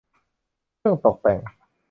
เครื่องตกแต่ง